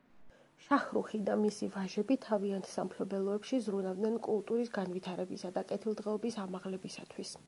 შაჰრუჰი და მისი ვაჟები თავიანთ სამფლობელოებში ზრუნავდნენ კულტურის განვითარებისა და კეთილდღეობის ამაღლებისათვის.